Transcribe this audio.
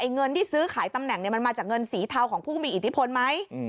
เงินที่ซื้อขายตำแหน่งมันมาจากเงินสีเทาของผู้มีอิทธิพลไหม